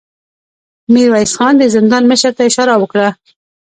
ميرويس خان د زندان مشر ته اشاره وکړه.